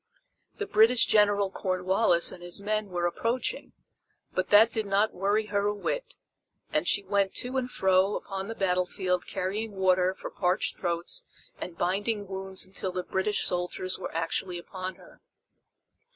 The British General Cornwallis and his men were approaching, but that did not worry her a whit, and she went to and fro upon the battlefield carrying water for parched throats and binding wounds until the British soldiers were actually upon her.